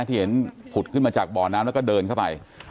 ที่เห็นผุดขึ้นมาจากบ่อน้ำแล้วก็เดินเข้าไป